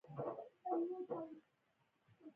جرګه، مرکه، نرخ او څلي لرل.